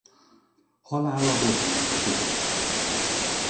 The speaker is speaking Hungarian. Halála botrányt okozott.